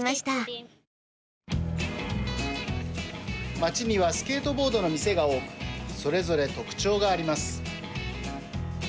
街にはスケートボードの店が多くそれぞれ特徴があります。